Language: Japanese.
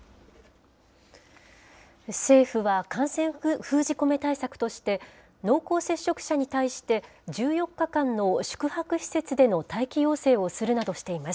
政府は感染封じ込め対策として、濃厚接触者に対して、１４日間の宿泊施設での待機要請をするなどしています。